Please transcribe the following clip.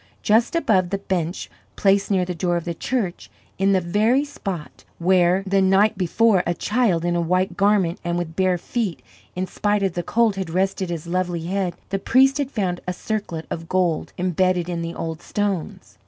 Just above the bench placed near the door of the church, in the very spot where, the night before, a child in a white garment and with bare feet, in spite of the cold, had rested his lovely head, the priest had found a circlet of gold imbedded in the old stones.